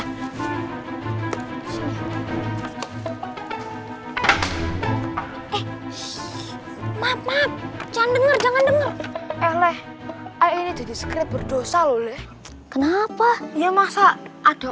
eh maaf jangan denger jangan denger eh leh ini jadi script berdosa loh leh kenapa ya masa ada